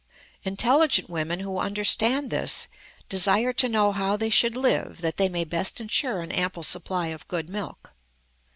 Intelligent women who understand this desire to know how they should live that they may best insure an ample supply of good milk.